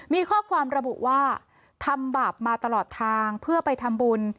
มีข้อความระบุว่าทำบาปมาตลอดทางเพื่อไปทำบุญ